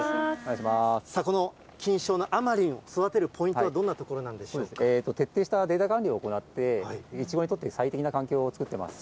この金賞のあまりんを育てるポイントはどんなところなんでし徹底したデータ管理を行って、いちごにとって最適な環境を作ってます。